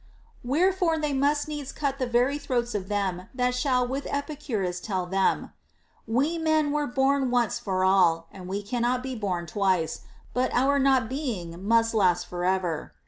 Wherefore they must needs cut the very throats of them that shall with Epicurus tell them, We men were born once for all, and we cannot be born twice, but our not being must last for ever.